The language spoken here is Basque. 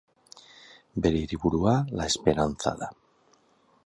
Bere hiriburua La Esperanza da.